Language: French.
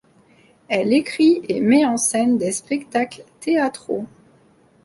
Elle écrit et met en scène des spectacles théâtraux.